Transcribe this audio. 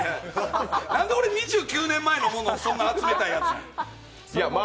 なんで俺、２９年前のものをそんな集めたいやつなんや。